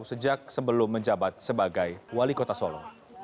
sejak sebelum menjabat sebagai wali kota solo